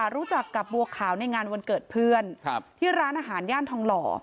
รู้จักกับบัวขาวในงานวันเกิดเพื่อนที่ร้านอาหารย่านทองหล่อ